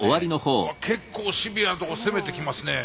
うわ結構シビアなとこ攻めてきますね。